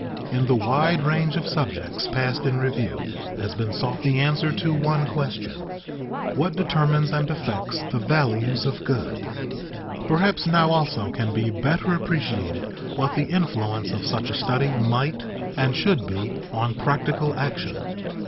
In the wide range of subjects passed in review has been sought the answer to one question: What determines and affects the values of good? [Sidenote: Influence of economics on practical life] Perhaps now also can be better appreciated what the influence of such a study might and should be on practical action.